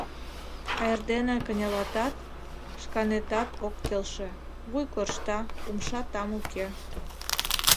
— А эрдене кынелатат, шканетат ок келше: вуй коршта, умша там уке.